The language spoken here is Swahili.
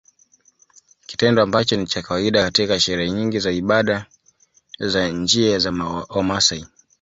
Kitendo ambacho ni cha kawaida katika sherehe nyingi za ibada za njia za Wamaasai